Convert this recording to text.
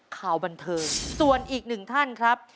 ข่าวบันเทิงส่วนอีกหนึ่งท่านครับ